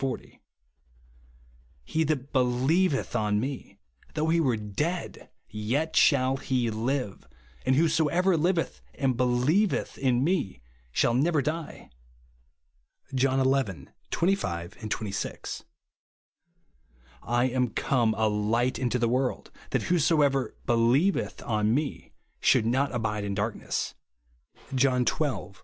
40). * He that helieveth on me, though he were dead, yet shall he live ; and whosoever liv eth and helieveth in me shall never die," (John xi. 25, 2G). " I am come a light into the world, that whosoever helieveth on me should not abide in darkness," (John xiL 46).